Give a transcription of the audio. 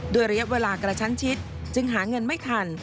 ระยะเวลากระชั้นชิดจึงหาเงินไม่ทัน